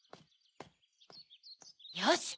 よし！